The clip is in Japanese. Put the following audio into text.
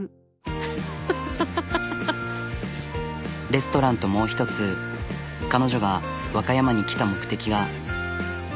レストランともう一つ彼女が和歌山に来た目的が。